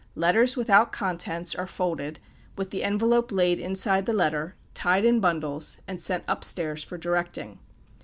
Letters without contents are folded, with the envelope laid inside the letter, tied in bundles, and sent up stairs for directing.